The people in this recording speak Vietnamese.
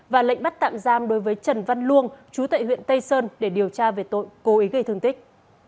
và lệnh bắt tạm giam đối với trần văn luông chú tại huyện tây sơn để điều tra về tội cố ý gây thương tích